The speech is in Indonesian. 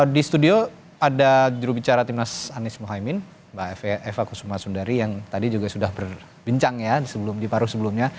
di studio ada jurubicara timnas anies mohaimin mbak eva kusuma sundari yang tadi juga sudah berbincang ya di paruh sebelumnya